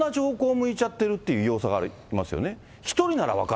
向いちゃってるという要素がありますよね。